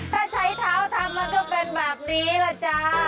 ถ้าใช้เท้าทำมันก็เป็นแบบนี้ล่ะจ๊ะ